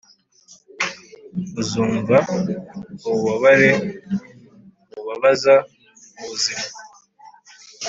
azumva ububabare bubabaza ubuzima,